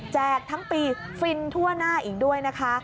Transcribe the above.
ทั้งปีฟินทั่วหน้าอีกด้วยนะคะ